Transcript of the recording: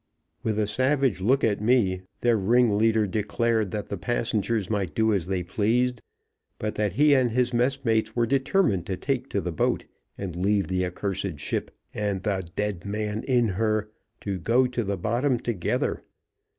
With a savage look at me, their ringleader declared that the passengers might do as they pleased, but that he and his messmates were determined to take to the boat, and leave the accursed ship, and the dead man in her, to go to the bottom together.